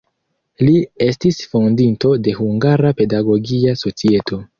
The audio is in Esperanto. Li estis fondinto de "Hungara Pedagogia Societo".